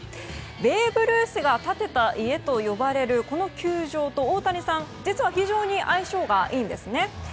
ベーブ・ルースが建てた家といわれるこの球場とオオタニサン実は非常に相性がいいんですね。